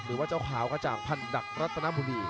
หรือว่าเจ้าขาวกระจ่างพันดักรัตนบุรี